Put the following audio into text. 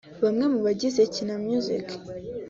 bamwe mu bagize Kina Music